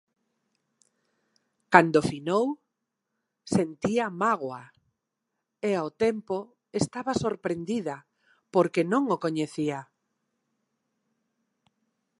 Cando finou, sentía mágoa e ao tempo estaba sorprendida porque non o coñecía.